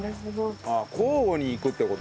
交互にいくって事？